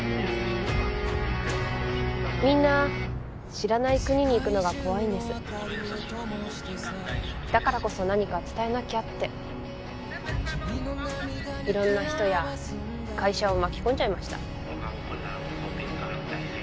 みんな知らない国に行くのが怖いんですだからこそ何か伝えなきゃって色んな人や会社を巻き込んじゃいました